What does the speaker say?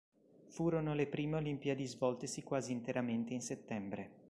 Furono le prime Olimpiadi svoltesi quasi interamente in settembre.